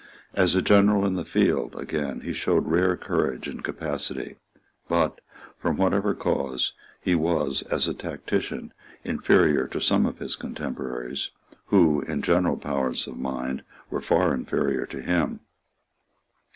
As a general in the field, again, he showed rare courage and capacity; but, from whatever cause, he was, as a tactician, inferior to some of his contemporaries, who, in general powers of mind, were far inferior to him.